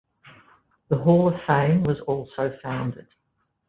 The hall of fame was also founded.